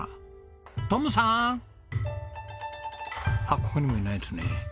あっここにもいないですね。